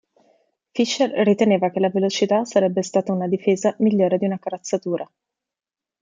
Fisher riteneva che la velocità sarebbe stata una difesa migliore di una corazzatura.